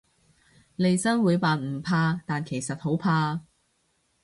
利申會扮唔怕，但其實好怕